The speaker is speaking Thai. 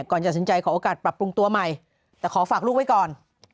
ก่อนจะสินใจขอโอกาสปรับปรุงตัวใหม่แต่ขอฝากลูกไว้ก่อน